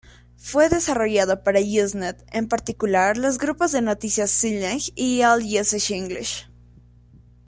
Fue desarrollado para Usenet, en particular los grupos de noticias sci.lang y alt.usage.english.